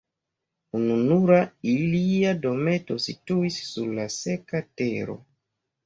Ununura ilia dometo situis sur la seka tero.